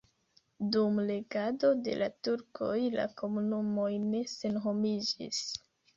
Dum regado de la turkoj la komunumoj ne senhomiĝis.